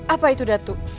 apa itu datuk